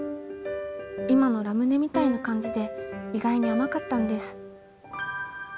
今のラムネみたいな感じで意外に甘かったんです」。